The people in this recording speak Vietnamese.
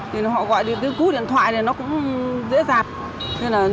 thì họ gọi điện cứu điện thoại này nó cũng dễ dàng